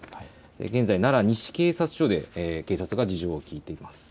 現在、奈良西警察署で警察が事情を聴いています。